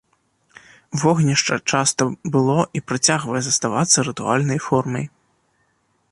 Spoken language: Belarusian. Вогнішча часта было і працягвае заставацца рытуальнай формай.